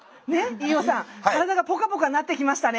飯尾さん体がポカポカなってきましたね？